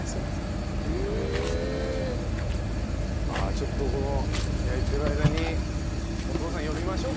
ちょっとこの焼いている間にお父さん呼びましょうか。